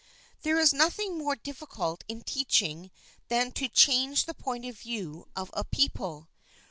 There is nothing more difficult in teaching than to change the point of view of a people.